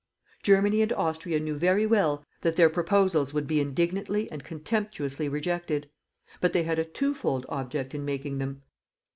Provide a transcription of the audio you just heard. Germany and Austria knew very well that their proposals would be indignantly and contemptuously rejected. But they had a twofold object in making them.